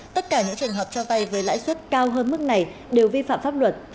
tất cả những trường hợp cho vay với lãi suất cao hơn mức này đều vi phạm pháp luật